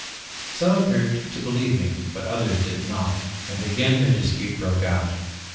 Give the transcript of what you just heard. Some appeared to believe me but others did not, and again their dispute broke out.